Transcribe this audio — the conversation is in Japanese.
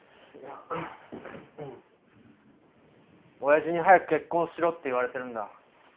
親父に早く結婚しろって言われてるんだ。